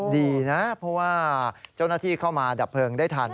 ดีนะเพราะว่าเจ้าหน้าที่เข้ามาดับเพลิงได้ทัน